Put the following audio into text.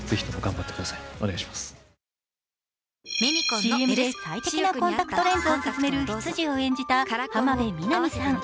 ＣＭで最適なコンタクトレンズを勧める執事を演じた浜辺美波さん。